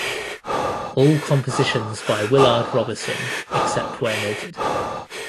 All compositions by Willard Robison except where noted